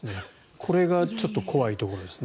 これがちょっと怖いところですね。